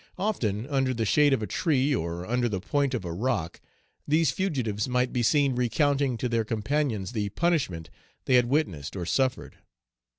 Often, under the shade of a tree, or under the point of a rock, these fugitives might be seen recounting to their companions the punishment they had witnessed, or suffered.